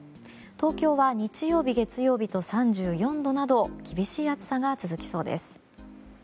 東京は日曜日、月曜日と３４度など厳しい暑さが続きそうです。